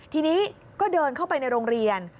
ทีนี้ก็เดินเข้าไปในโรงเรียน